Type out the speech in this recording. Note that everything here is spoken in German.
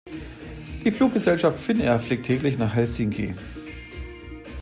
Die Fluggesellschaft Finnair fliegt täglich nach Helsinki.